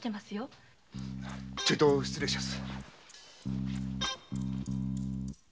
ちょいと失礼します。